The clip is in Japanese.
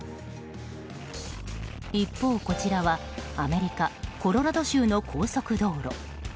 一方、こちらはアメリカ・コロラド州の高速道路。